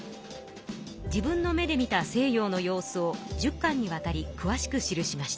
自分の目で見た西洋の様子を１０巻にわたりくわしく記しました。